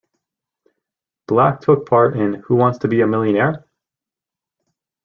Black took part in the Who Wants to Be a Millionaire?